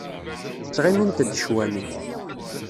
Ttɣimint-d cwami.